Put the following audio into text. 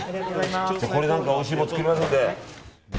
これでおいしいもの作りますんで。